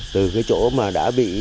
từ cái chỗ mà đã bị